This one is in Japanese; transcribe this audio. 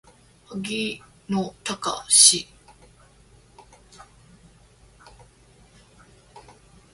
荻野貴司